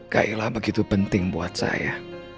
kailah begitu penting buat saya